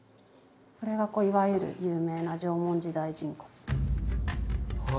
これがいわゆる有名な縄文時代人骨です。